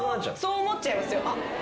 そう思っちゃいますよ。